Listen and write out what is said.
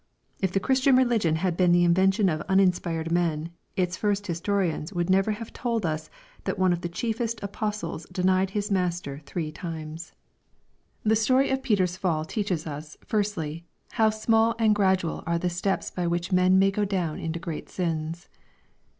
If the Christian religion had been the invention of uninspired .men, its first historians would never have told us that one of the chiefest apostles denied his Master three times. 438 EXPOSITORY THOUGHTS. The story of Peter's fall teaches us, firstly, how small and gradual are the steps by which men may go doton into great sins.